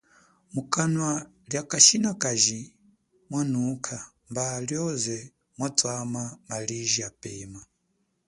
Mukanwa lia kashinakaji mwanukha, mba alioze mwatwama maliji apema.